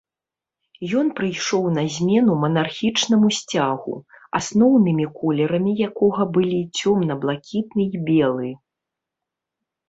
Ён прыйшоў на змену манархічнаму сцягу, асноўнымі колерамі якога былі цёмна-блакітны і белы.